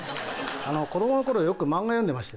子供の頃よく漫画読んでて。